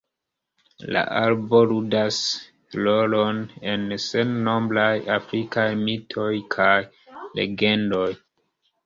La arbo ludas rolon en sennombraj afrikaj mitoj kaj legendoj.